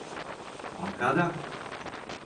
А од када?